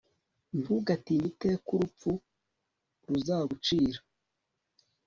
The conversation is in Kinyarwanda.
ntugatinye iteka urupfu ruzagucira